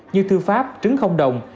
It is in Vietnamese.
như thư pháp trứng không đồng